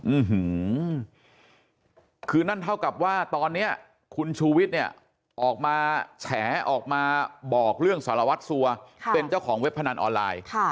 ื้อหือคือนั่นเท่ากับว่าตอนนี้คุณชูวิทย์เนี่ยออกมาแฉออกมาบอกเรื่องสารวัตรสัวเป็นเจ้าของเว็บพนันออนไลน์